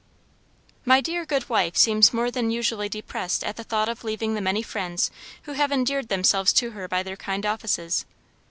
"My dear good wife seems more than usually depressed at the thought of leaving the many friends who have endeared themselves to her by their kind offices.